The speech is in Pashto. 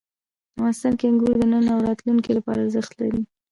افغانستان کې انګور د نن او راتلونکي لپاره ارزښت لري.